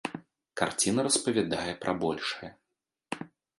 Карціна распавядае пра большае.